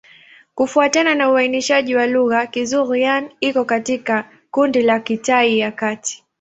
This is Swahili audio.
Kufuatana na uainishaji wa lugha, Kizhuang-Yang iko katika kundi la Kitai ya Kati.